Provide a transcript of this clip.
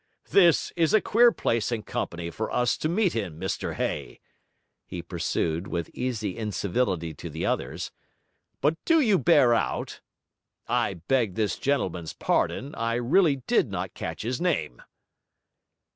this is a queer place and company for us to meet in, Mr Hay,' he pursued, with easy incivility to the others. 'But do you bear out ... I beg this gentleman's pardon, I really did not catch his name.'